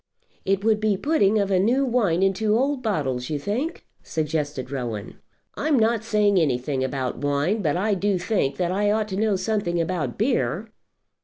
"It would be a putting of new wine into old bottles, you think?" suggested Rowan. "I'm not saying anything about wine; but I do think that I ought to know something about beer."